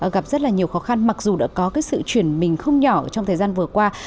gặp rất là nhiều khó khăn mặc dù đã có cái sự chuyển mình không nhỏ trong thời gian vừa qua